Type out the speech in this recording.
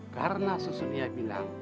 karena susunnya bilang